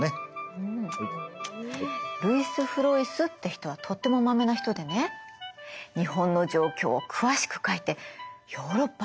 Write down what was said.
ルイス・フロイスって人はとてもまめな人でね日本の状況を詳しく書いてヨーロッパに伝えてたの。